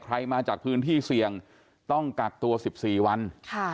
ใครมาจากพื้นที่เสี่ยงต้องกักตัวสิบสี่วันค่ะ